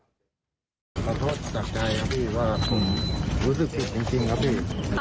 ขอโทษจากใจครับพี่ว่าผมรู้สึกผิดจริงครับพี่